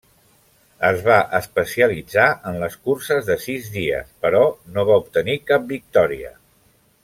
Es va especialitzar en les curses de sis dies, però no va obtenir cap victòria.